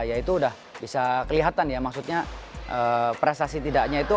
ya itu udah bisa kelihatan ya maksudnya prestasi tidaknya itu